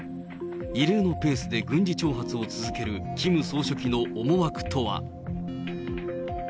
異例のペースで軍事挑発を続けるキム総書記の思惑とは。